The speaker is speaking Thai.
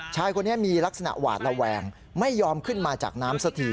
ชายคนนี้มีลักษณะหวาดระแวงไม่ยอมขึ้นมาจากน้ำสักที